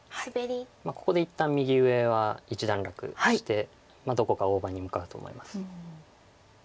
ここで一旦右上は一段落してどこか大場に向かうと思います。